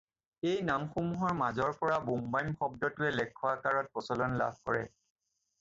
এই নামসমূহৰ মাজৰ পৰা বোম্বাইম শব্দটোৱে লেখ্য আকাৰত প্ৰচলন লাভ কৰে।